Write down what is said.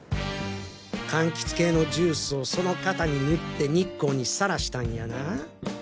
カンキツ系のジュースをその形に塗って日光にさらしたんやな？